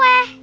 wah bagus ya